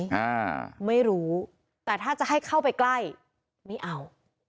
อ่าไม่รู้แต่ถ้าจะให้เข้าไปใกล้ไม่เอา